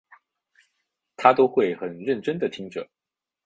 她都会很认真地听着